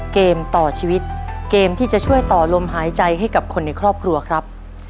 เกมต่อชีวิตเกมที่จะช่วยต่อลมหายใจให้กับคนในครอบครัวครับ